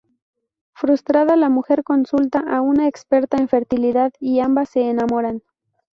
Frustrada, la mujer consulta a una experta en fertilidad y ambas se enamoran.